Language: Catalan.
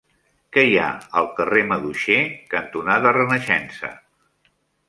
Què hi ha al carrer Maduixer cantonada Renaixença?